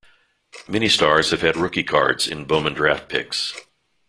Many stars have had rookie cards in Bowman Draft Picks.